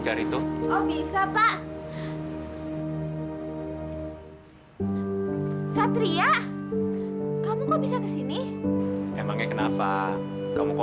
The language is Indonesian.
ya udah yuk